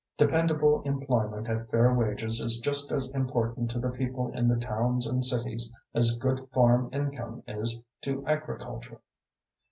Dependable employment at fair wages is just as important to the people in the towns and cities as good farm income is to agriculture.